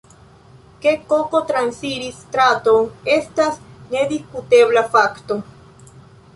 Ke koko transiris straton estas nedisputebla fakto.